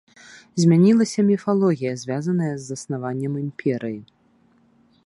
Змянілася міфалогія, звязаная з заснаваннем імперыі.